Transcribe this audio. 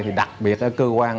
thì đặc biệt ở cơ quan